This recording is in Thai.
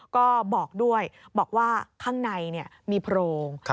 ก็บอกด้วยบอกว่าข้างในมีโพรง